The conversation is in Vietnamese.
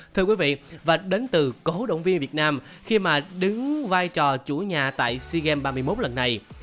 thưa quý vị và đến từ cổ động viên việt nam khi mà đứng vai trò chủ nhà tại sea games ba mươi một lần này